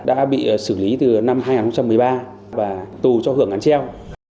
đã bị xử lý từ năm hai nghìn một mươi ba và tù cho hưởng án treo